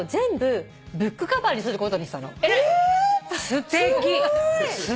すてき。